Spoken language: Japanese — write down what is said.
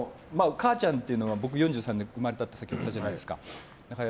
母ちゃんというのは僕、４３で生まれたってさっき言ったじゃないですか。